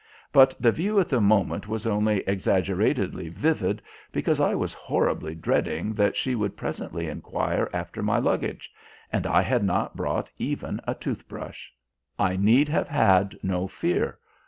But the view at the moment was only exaggeratedly vivid because I was horribly dreading that she would presently enquire after my luggage, and I had not brought even a toothbrush. I need have had no fear.